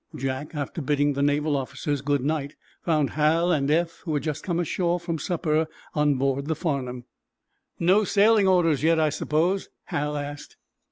Jack, after bidding the naval officers good night, found Hal and Eph, who had just come ashore from supper on board the "Farnum." "No sailing orders yet, I suppose?" Hal asked.